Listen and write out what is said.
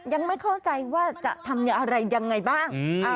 ยังไม่เข้าใจว่าจะทำอะไรยังไงบ้าง